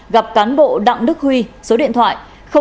gặp cán bộ đặng đức huy số điện thoại chín trăm linh chín năm mươi năm